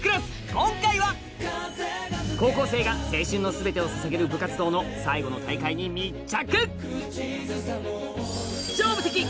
今回は高校生が青春の全てを捧げる部活動の最後の大会に密着！